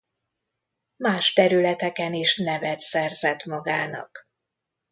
Más területeken is nevet szerzett magának.